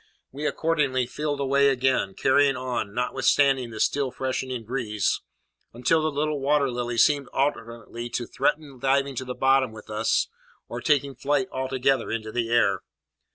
We accordingly filled away again, carrying on, notwithstanding the still freshening breeze, until the little Water Lily seemed alternately to threaten diving to the bottom with us or taking flight altogether into the air.